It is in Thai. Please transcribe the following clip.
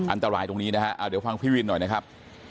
อันตรายตรงนี้นะฮะเดี๋ยวฟังพี่วินหน่อยนะครับ